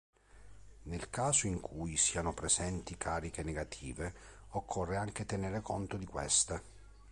Nel caso in cui siano presenti cariche negative, occorre anche tenere conto di queste.